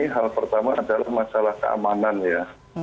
hal pertama adalah masalah keamanan ya